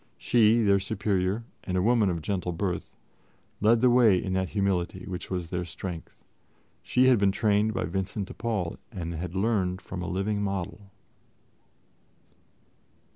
She, their Superior, and a woman of gentle birth, led the way in that humility which was their strength. She had been trained by Vincent de Paul and had learned from a living model.